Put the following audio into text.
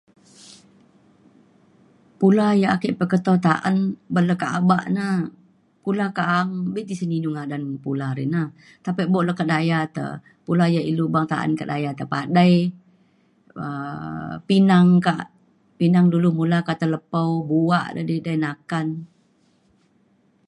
pula ia' ake peketo ta'an ban nekaba na pula ka'ang bek tisen inu ngadan pula rei na. tapi bok le ka kedaya te pula ia' ilu bang ta'an ka daya padai um pinang ka pinang dulu ngula kata lepau buak di dei nakan